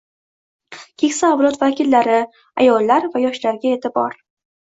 Keksa avlod vakillari, ayollar va yoshlarga e’tibor